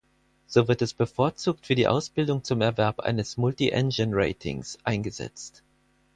So wird es bevorzugt für die Ausbildung zum Erwerb eines Multiengine-Ratings eingesetzt.